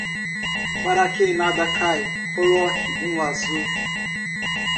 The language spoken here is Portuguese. Para quem nada cai, coloque um azul.